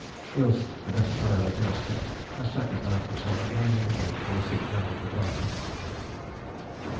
"Wilson, the best fellow that ever stepped, has sacrificed himself again and again to the sick men of the party...."